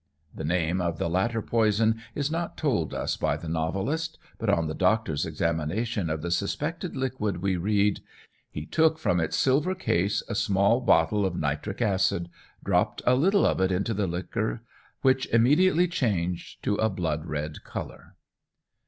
The name of the latter poison is not told us by the novelist, but on the doctor's examination of the suspected liquid we read, "He took from its silver case a small bottle of nitric acid, dropped a little of it into the liquor, which immediately changed to a blood red colour."